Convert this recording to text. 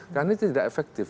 karena ini tidak efektif